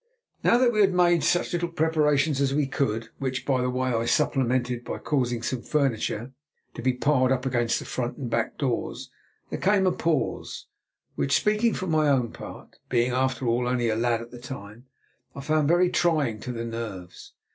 Now that we had made such little preparations as we could, which, by the way, I supplemented by causing some furniture to be piled up against the front and back doors, there came a pause, which, speaking for my own part—being, after all, only a lad at the time—I found very trying to the nerves.